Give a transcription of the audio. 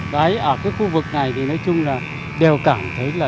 đấy ở cái khu vực này thì nói chung là đều cảm thấy là